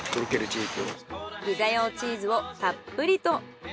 ピザ用チーズをたっぷりと。